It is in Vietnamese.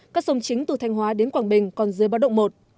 các sông chính từ thanh hóa đến quảng bình còn dưới báo động một